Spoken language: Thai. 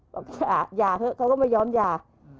บอกหย่าเขาก็ไม่ยอมหย่า